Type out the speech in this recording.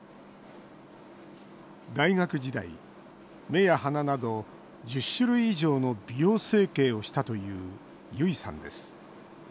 大学時代、目や鼻など１０種類以上の美容整形をしたというゆいさんです。